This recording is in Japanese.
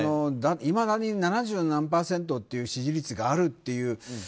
いまだに７７％という支持率があるっていう。